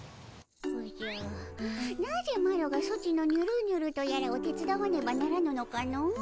おじゃなぜマロがソチのニュルニュルとやらを手伝わねばならぬのかの。